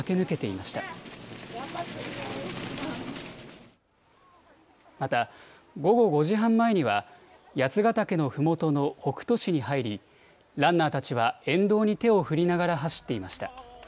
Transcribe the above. また、午後５時半前には八ヶ岳のふもとの北杜市に入りランナーたちは沿道に手を振りながら走っていました。